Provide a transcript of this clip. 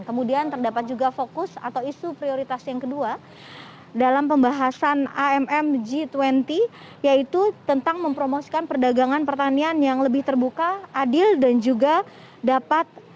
kemudian terdapat juga fokus atau isu prioritas yang kedua dalam pembahasan amm g dua puluh yaitu tentang mempromosikan perdagangan pertanian yang lebih terbuka adil dan juga dapat